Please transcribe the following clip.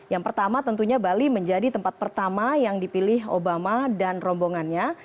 yang pertama tentunya bali menjadi tempat pertama yang dipilih obama dan rombongannya